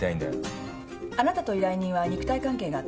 あなたと依頼人は肉体関係があった。